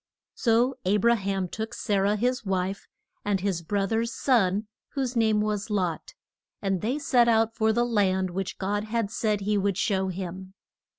So A bra ham took Sa rah, his wife, and his bro ther's son, whose name was Lot, and they set out for the land which God had said he would show him.